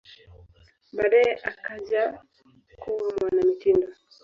Baadaye akaja kuwa mwanamitindo.